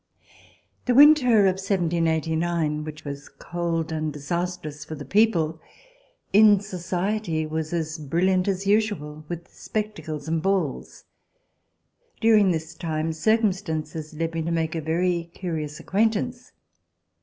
THE winter of 1789, which w^as cold and dis astrous for the people, in society was as brilliant as usual with spectacles and balls. During this time circumstances led me to make a very curious acquaintance.